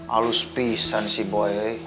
alus pisah si boy